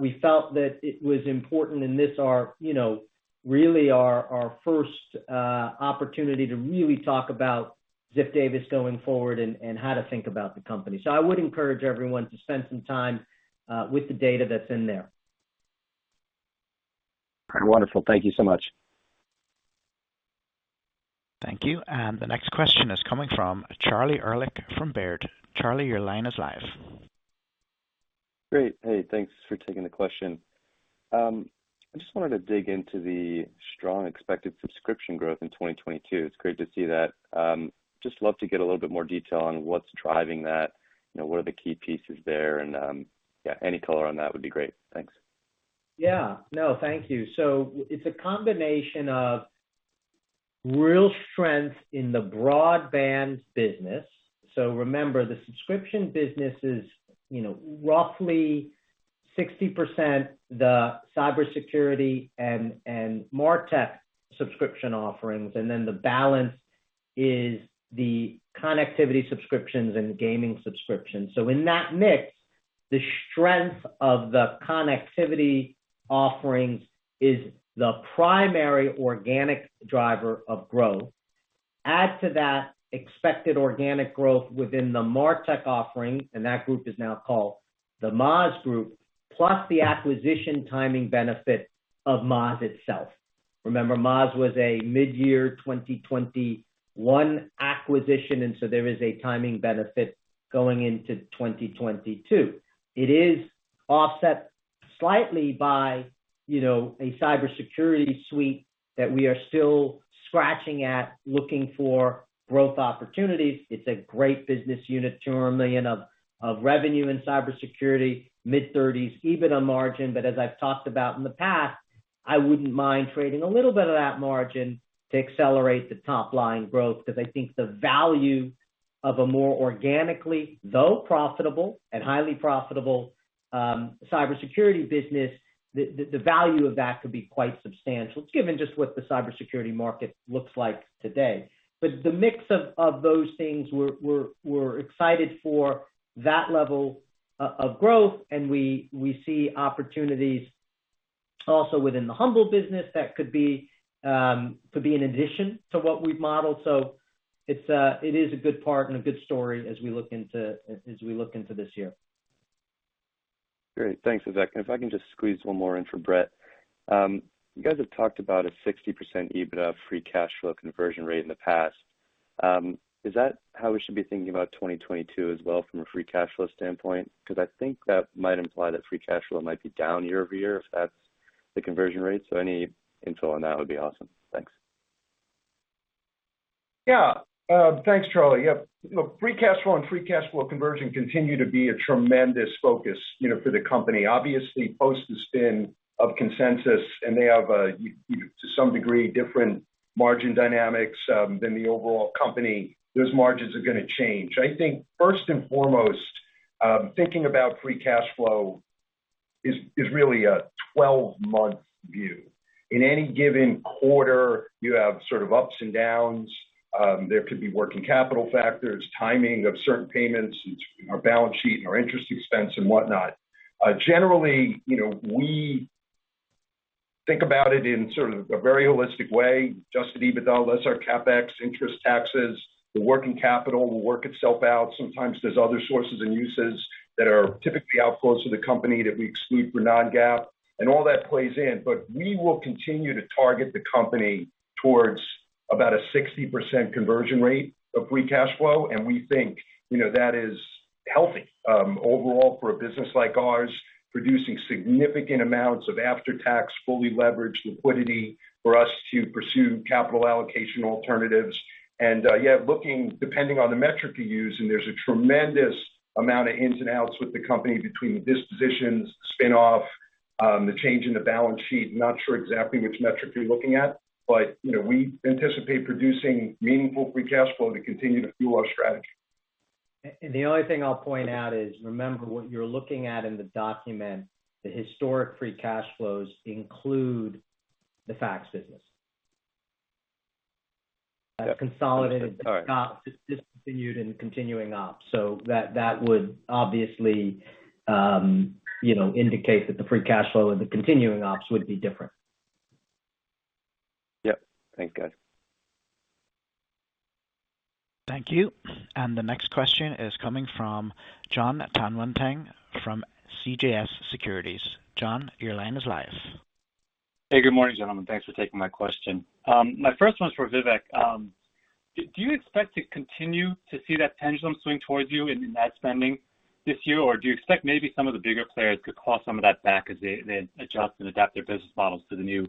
We felt that it was important in this, you know, really our first opportunity to really talk about Ziff Davis going forward and how to think about the company. I would encourage everyone to spend some time with the data that's in there. Wonderful. Thank you so much. Thank you. The next question is coming from Charlie Erlikh from Baird. Charlie, your line is live. Great. Hey, thanks for taking the question. I just wanted to dig into the strong expected subscription growth in 2022. It's great to see that. Just love to get a little bit more detail on what's driving that. You know, what are the key pieces there? Yeah, any color on that would be great. Thanks. Yeah. No, thank you. It's a combination of real strength in the broadband business. Remember, the subscription business is, you know, roughly 60% the cybersecurity and MarTech subscription offerings, and then the balance is the connectivity subscriptions and gaming subscriptions. In that mix, the strength of the connectivity offerings is the primary organic driver of growth. Add to that expected organic growth within the MarTech offering, and that group is now called the Moz group, plus the acquisition timing benefit of Moz itself. Remember, Moz was a midyear 2021 acquisition, and so there is a timing benefit going into 2022. It is offset slightly by, you know, a cybersecurity suite that we are still scratching at, looking for growth opportunities. It's a great business unit, $200 million of revenue in cybersecurity, mid-30% EBITDA margin. As I've talked about in the past, I wouldn't mind trading a little bit of that margin to accelerate the top line growth because I think the value of a more organically, though profitable and highly profitable, cybersecurity business, the value of that could be quite substantial. It's given just what the cybersecurity market looks like today. The mix of those things, we're excited for that level of growth, and we see opportunities also within the Humble business that could be in addition to what we've modeled. It is a good part and a good story as we look into this year. Great. Thanks, Vivek. If I can just squeeze one more in for Bret. You guys have talked about a 60% EBITDA free cash flow conversion rate in the past. Is that how we should be thinking about 2022 as well from a free cash flow standpoint? Because I think that might imply that free cash flow might be down year-over-year if that's the conversion rate. Any info on that would be awesome. Thanks. Yeah. Thanks, Charlie. Yep. You know, free cash flow and free cash flow conversion continue to be a tremendous focus, you know, for the company. Obviously, post the spin of Consensus, and they have a you know, to some degree, different margin dynamics than the overall company. Those margins are gonna change. I think first and foremost, thinking about free cash flow is really a 12-month view. In any given quarter, you have sort of ups and downs. There could be working capital factors, timing of certain payments, it's our balance sheet and our interest expense and whatnot. Generally, you know, we think about it in sort of a very holistic way. Adjusted EBITDA, less our CapEx, interest, taxes. The working capital will work itself out. Sometimes there's other sources and uses that are typically outflows to the company that we exclude for non-GAAP, and all that plays in. We will continue to target the company towards about a 60% conversion rate of free cash flow, and we think, you know, that is healthy overall for a business like ours, producing significant amounts of after-tax, fully leveraged liquidity for us to pursue capital allocation alternatives. Yeah, looking, depending on the metric you use, and there's a tremendous amount of ins and outs with the company between dispositions, spin-off, the change in the balance sheet. I'm not sure exactly which metric you're looking at, but, you know, we anticipate producing meaningful free cash flow to continue to fuel our strategy. The only thing I'll point out is, remember what you're looking at in the document, the historic free cash flows include the Fax business. Yep. Uh, consolidated All right. Ops, discontinued and continuing ops. That would obviously, you know, indicate that the free cash flow of the continuing ops would be different. Yep. Thanks, guys. Thank you. The next question is coming from Jon Tanwanteng from CJS Securities. Jon, your line is live. Hey, good morning, gentlemen. Thanks for taking my question. My first one's for Vivek. Do you expect to continue to see that pendulum swing towards you in ad spending this year? Or do you expect maybe some of the bigger players could claw some of that back as they adjust and adapt their business models to the new,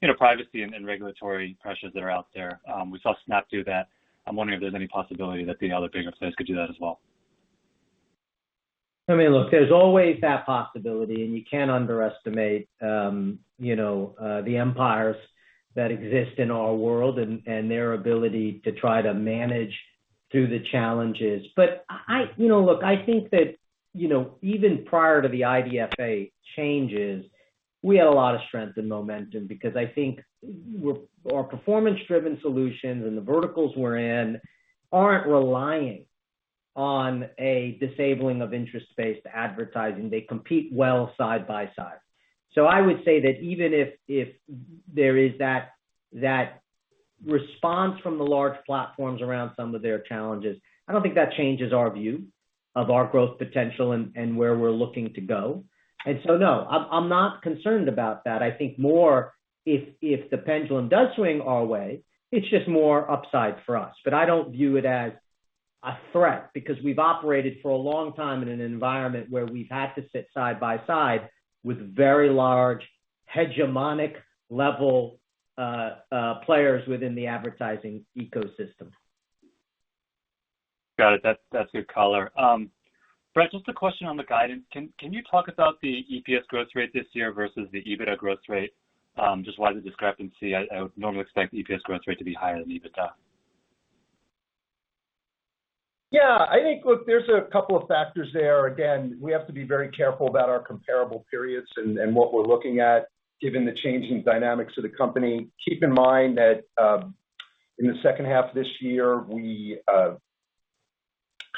you know, privacy and regulatory pressures that are out there? We saw Snap do that. I'm wondering if there's any possibility that the other bigger players could do that as well. I mean, look, there's always that possibility, and you can't underestimate, you know, the empires that exist in our world and their ability to try to manage through the challenges. I think that, you know, even prior to the IDFA changes, we had a lot of strength and momentum because I think our performance-driven solutions and the verticals we're in aren't relying on a disabling of interest-based advertising. They compete well side by side. I would say that even if there is that response from the large platforms around some of their challenges, I don't think that changes our view of our growth potential and where we're looking to go. No, I'm not concerned about that. I think more if the pendulum does swing our way, it's just more upside for us. I don't view it as a threat because we've operated for a long time in an environment where we've had to sit side by side with very large hegemonic-level players within the advertising ecosystem. Got it. That's good color. Bret, just a question on the guidance. Can you talk about the EPS growth rate this year versus the EBITDA growth rate? Just why the discrepancy. I would normally expect the EPS growth rate to be higher than EBITDA. Yeah, I think, look, there's a couple of factors there. Again, we have to be very careful about our comparable periods and what we're looking at, given the changing dynamics of the company. Keep in mind that in the second half of this year,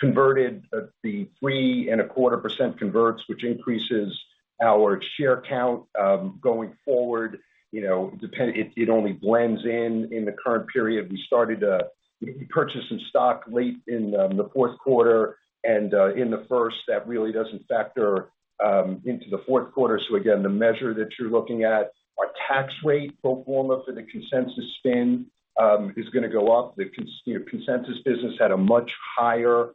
we converted the 3.25% converts, which increases our share count going forward. You know, it only blends in in the current period. We purchased some stock late in the fourth quarter and in the first quarter. That really doesn't factor into the fourth quarter. So again, the measure that you're looking at, our tax rate pro forma for the Consensus spin is gonna go up. The Consensus, you know, business had a much higher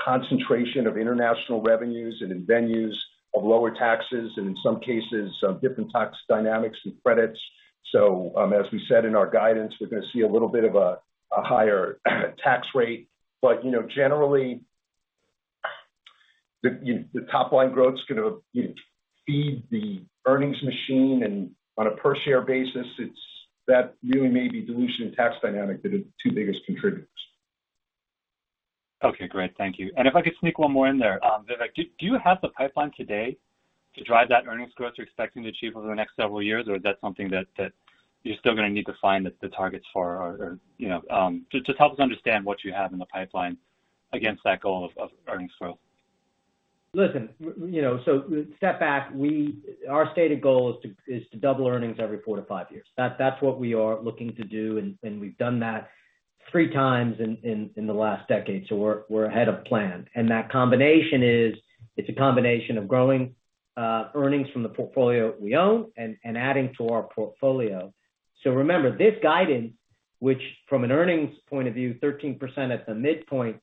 concentration of international revenues and revenues of lower taxes and in some cases different tax dynamics and credits. As we said in our guidance, we're gonna see a little bit of a higher tax rate. You know, generally, you know, the top line growth's gonna, you know, feed the earnings machine and on a per share basis, it's that really maybe dilution and tax dynamics that are the two biggest contributors. Okay, great. Thank you. If I could sneak one more in there. Vivek, do you have the pipeline today to drive that earnings growth you're expecting to achieve over the next several years or is that something that you're still gonna need to find the targets for or, you know, just help us understand what you have in the pipeline against that goal of earnings growth. Listen, you know, step back. Our stated goal is to double earnings every four to five years. That's what we are looking to do and we've done that 3x in the last decade, so we're ahead of plan. That combination is a combination of growing earnings from the portfolio we own and adding to our portfolio. Remember, this guidance, which from an earnings point of view, 13% at the midpoint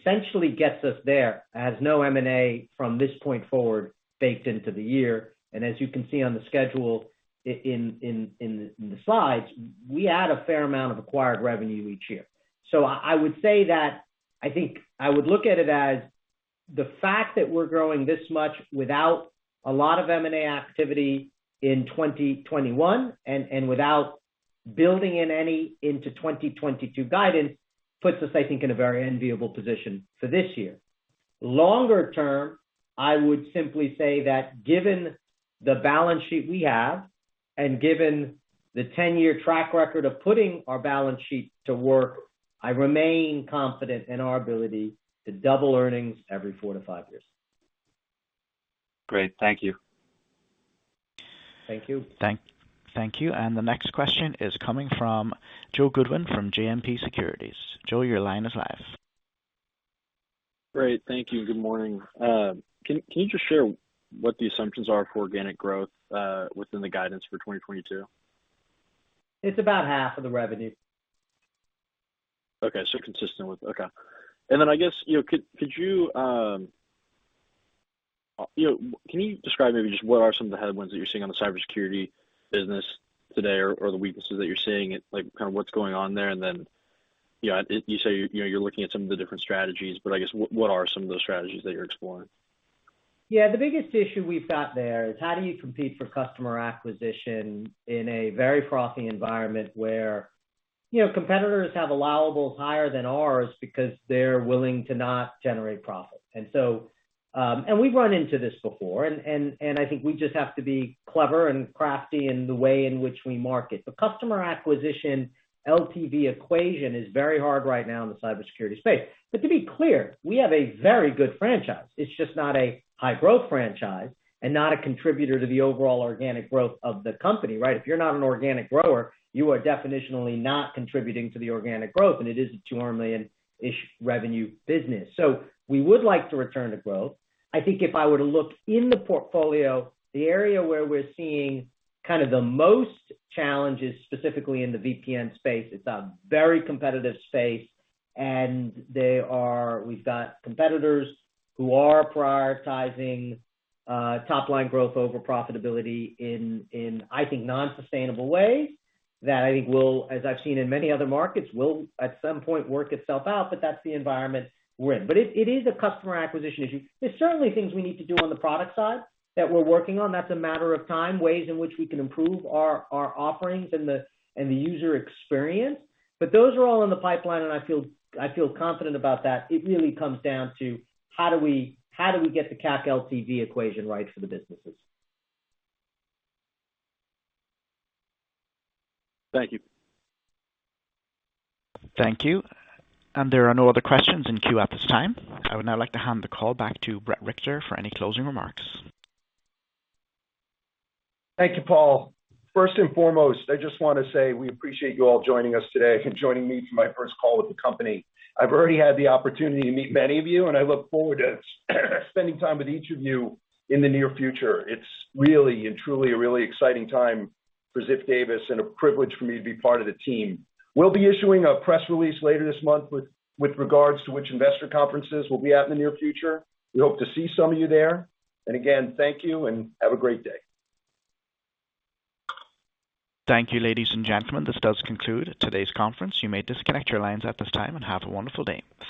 essentially gets us there, has no M&A from this point forward baked into the year. As you can see on the schedule in the slides, we add a fair amount of acquired revenue each year. I would say that I think I would look at it as the fact that we're growing this much without a lot of M&A activity in 2021 and without building in any into 2022 guidance puts us, I think, in a very enviable position for this year. Longer term, I would simply say that given the balance sheet we have and given the 10-year track record of putting our balance sheet to work, I remain confident in our ability to double earnings every 4-5 years. Great. Thank you. Thank you. Thank you. The next question is coming from Joe Goodwin from JMP Securities. Joe, your line is live. Great. Thank you. Good morning. Can you just share what the assumptions are for organic growth within the guidance for 2022? It's about half of the revenue. I guess, you know, could you describe maybe just what are some of the headwinds that you're seeing on the cybersecurity business today or the weaknesses that you're seeing it, like kind of what's going on there? You know, you say, you know, you're looking at some of the different strategies, but I guess what are some of those strategies that you're exploring? Yeah. The biggest issue we've got there is how do you compete for customer acquisition in a very frothy environment where, you know, competitors have allowables higher than ours because they're willing to not generate profit. We've run into this before and I think we just have to be clever and crafty in the way in which we market. The customer acquisition LTV equation is very hard right now in the cybersecurity space. To be clear, we have a very good franchise. It's just not a high growth franchise and not a contributor to the overall organic growth of the company, right? If you're not an organic grower, you are definitionally not contributing to the organic growth, and it is a $200 million-ish revenue business. We would like to return to growth. I think if I were to look in the portfolio, the area where we're seeing kind of the most challenges, specifically in the VPN space, it's a very competitive space, and we've got competitors who are prioritizing top line growth over profitability in I think non-sustainable ways that I think will, as I've seen in many other markets, will at some point work itself out, but that's the environment we're in. It is a customer acquisition issue. There's certainly things we need to do on the product side that we're working on. That's a matter of time, ways in which we can improve our offerings and the user experience. Those are all in the pipeline and I feel confident about that. It really comes down to how do we get the CAC LTV equation right for the businesses. Thank you. Thank you. There are no other questions in queue at this time. I would now like to hand the call back to Bret Richter for any closing remarks. Thank you, Paul. First and foremost, I just wanna say we appreciate you all joining us today and joining me for my first call with the company. I've already had the opportunity to meet many of you and I look forward to spending time with each of you in the near future. It's really and truly a really exciting time for Ziff Davis and a privilege for me to be part of the team. We'll be issuing a press release later this month with regards to which investor conferences we'll be at in the near future. We hope to see some of you there. Again, thank you and have a great day. Thank you, ladies and gentlemen. This does conclude today's conference. You may disconnect your lines at this time and have a wonderful day.